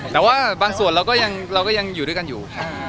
แต่ว่าบางส่วนเราก็ยังอยู่ด้วยกันอยู่